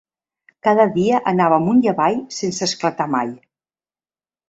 Cada dia anava amunt i avall sense esclatar mai.